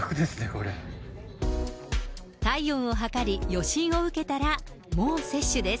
体温を測り、予診を受けたら、もう接種です。